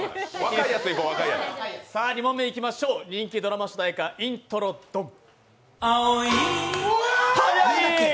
２問目いきましょう、人気ドラマ主題歌イントロドン。